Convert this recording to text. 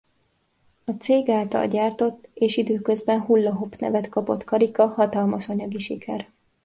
A cég által gyártott és időközben hulla-hopp nevet kapott karika hatalmas anyagi siker.